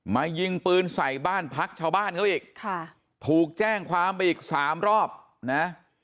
ยิงปืนใส่บ้านพักชาวบ้านเขาอีกค่ะถูกแจ้งความไปอีกสามรอบนะ